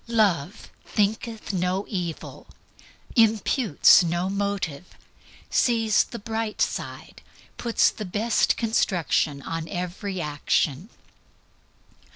Love "thinketh no evil," imputes no motive, sees the bright side, puts the best construction on every action.